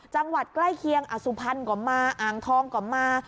ใกล้เคียงอสุพรรณก็มาอ่างทองก็มา